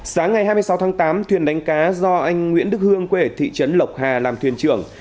sáng ngày hai mươi sáu tháng tám thuyền đánh cá do anh nguyễn đức hương quê ở thị trấn lộc hà làm thuyền trưởng